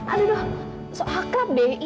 aduh sok akrab deh